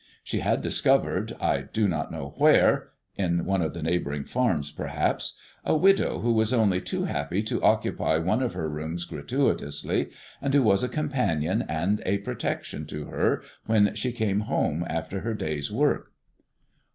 She had discovered, I do not know where, in one of the neighboring farms, perhaps, a widow who was only too happy to occupy one of her rooms gratuitously, and who was a companion and a protection to her when she came home after her day's work.